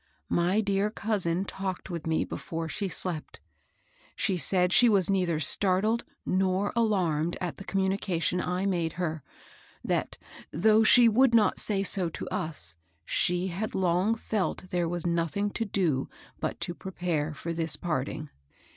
My dear cousin talked with me before she slept. She said she was neither stailled nor alarmed at the communication I made her ; that, though she would not say so to us, she had long felt there was nothing to do but to prepare for this parting.